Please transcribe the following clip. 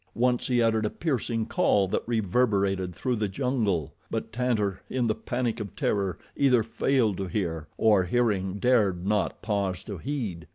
Once he uttered a piercing call that reverberated through the jungle; but Tantor, in the panic of terror, either failed to hear, or hearing, dared not pause to heed.